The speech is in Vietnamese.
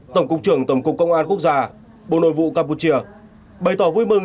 tổng cục trưởng tổng cục công an quốc gia bộ nội vụ campuchia bày tỏ vui mừng